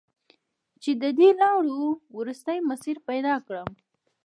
چې د دې لارو، وروستی مسیر پیدا کړم